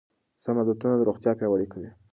سم عادتونه روغتیا پیاوړې کوي.